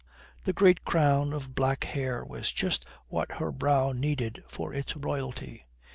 The great crown of black hair was just what her brow needed for its royalty.